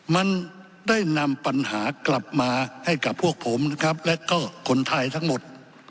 มันได้นำปัญหากลับมาให้กับพวกผมนะครับและก็คนไทยทั้งหมด